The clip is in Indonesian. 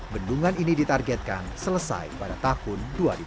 bendungan ini ditargetkan selesai pada tahun dua ribu dua puluh